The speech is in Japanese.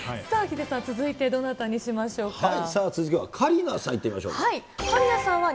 さあヒデさん、続いては、どなたにしましょうか。